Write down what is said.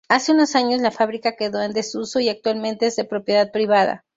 Hace unos años la fábrica quedó en desuso y actualmente es de propiedad privada.